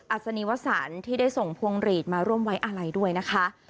ศนีวสารที่ได้ส่งพวงหลีดมาร่วมไว้อาลัยด้วยนะคะ